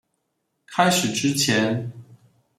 開始之前